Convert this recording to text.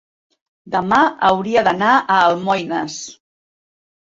Demà hauria d'anar a Almoines.